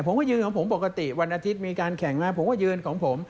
ผมก็ยืนของผมปกติวันอาทิตย์มีการแข่งมาผมก็ยืนของผม